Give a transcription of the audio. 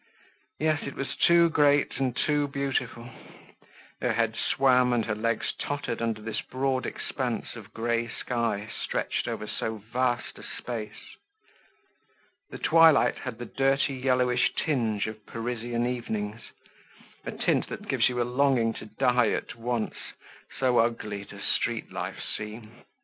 Yes, it was too great and too beautiful; her head swam and her legs tottered under this broad expanse of grey sky stretched over so vast a space. The twilight had the dirty yellowish tinge of Parisian evenings, a tint that gives you a longing to die at once, so ugly does street life seem.